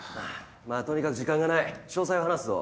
まぁとにかく時間がない詳細を話すぞ。